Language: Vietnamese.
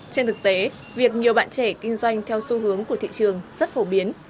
trên thực tế việc nhiều bạn trẻ kinh doanh theo xu hướng của thị trường rất phổ biến